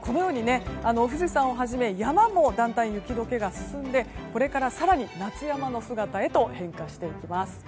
このように富士山をはじめ、山もだんだん雪解けが進んでこれから更に夏山の姿へと変化していきます。